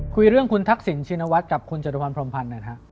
คุยเรื่องคุณทักษิณชีหนวัดกับฮพรมพรรณนะคะ